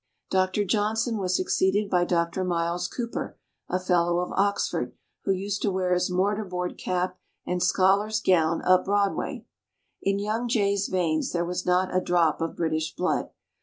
Doctor Johnson was succeeded by Doctor Myles Cooper, a Fellow of Oxford, who used to wear his mortarboard cap and scholar's gown up Broadway. In young Jay's veins there was not a drop of British blood.